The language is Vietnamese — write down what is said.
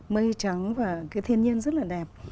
mây trắng và cái thiên nhiên rất là đẹp